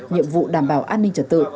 nhiệm vụ đảm bảo an ninh trật tự